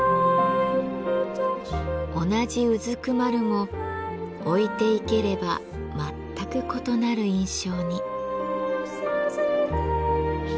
同じ蹲も置いて生ければ全く異なる印象に。